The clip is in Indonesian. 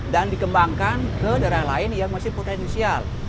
dan dikembangkan ke daerah lain yang masih potensial